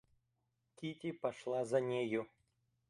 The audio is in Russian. Кити пошла за нею.